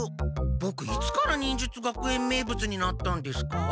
ボクいつから忍術学園名物になったんですか？